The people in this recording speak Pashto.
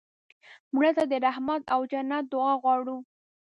مړه ته د رحمت او جنت دعا غواړو